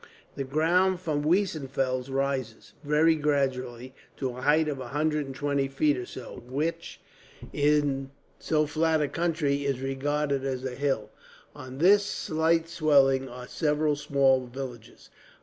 The ground from Weissenfels rises, very gradually, to a height of a hundred and twenty feet or so; which in so flat a country is regarded as a hill. On this slight swelling are several small villages.